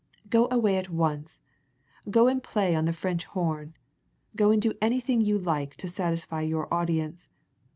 "Go away at once go and play on the French horn; go and do anything you like to satisfy your audience!